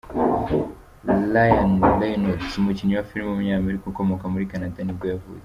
Ryan Reynolds, umukinnyi wa filime w’umunyamerika ukomoka muri Canada nibwo yavutse.